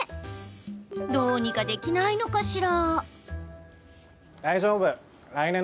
どうにかできないのかしら。